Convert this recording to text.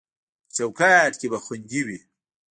په چوکاټ کې به خوندي وي